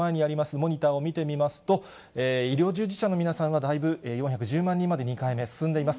モニターを見てみますと、医療従事者の皆さんはだいぶ４１０万人まで２回目、進んでいます。